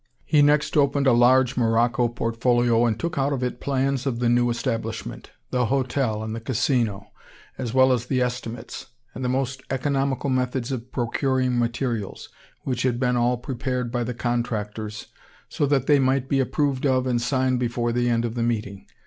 He next opened a large morocco portfolio and took out of it plans of the new establishment the hotel and the Casino as well as the estimates, and the most economical methods of procuring materials, which had been all prepared by the contractors, so that they might be approved of and signed before the end of the meeting.